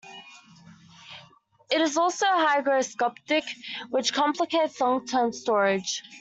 It is also hygroscopic, which complicates long-term storage.